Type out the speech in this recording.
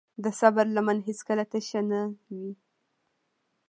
د صبر لمن هیڅکله تشه نه وي.